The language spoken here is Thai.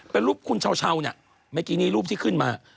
เป็นรูปคุณเช้าเนี่ยเมื่อกี้นี้รูปที่ขึ้นมา